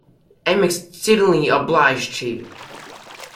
I am exceedingly obliged to you.